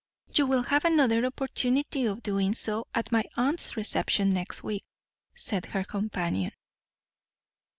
"You will have another opportunity of doing so at my aunt's reception next week," said her companion.